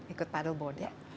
ikut paddle board ya